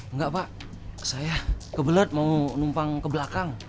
enggak pak saya kebelet mau numpang ke belakang